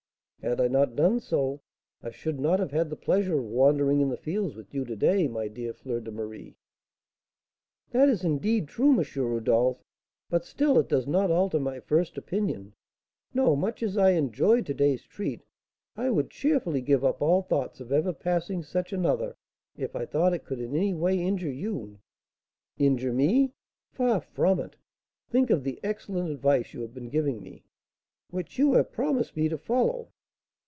"Had I not done so, I should not have had the pleasure of wandering in the fields with you to day, my dear Fleur de Marie." "That is, indeed, true, M. Rodolph; but, still, it does not alter my first opinion. No, much as I enjoy to day's treat, I would cheerfully give up all thoughts of ever passing such another if I thought it could in any way injure you." "Injure me! Far from it! Think of the excellent advice you have been giving me." "Which you have promised me to follow?"